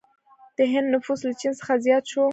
د هند نفوس له چین څخه زیات شو.